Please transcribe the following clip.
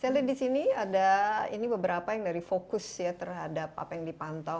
saya lihat di sini ada ini beberapa yang dari fokus ya terhadap apa yang dipantau